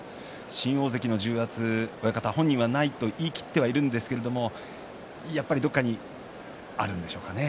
新大関の重圧、本人はないと言い切っているんですがやはりどこかにあるんでしょうかね。